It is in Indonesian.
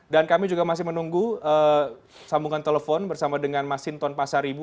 dan kami juga masih menunggu sambungan telepon bersama dengan mas sinton pasar ibu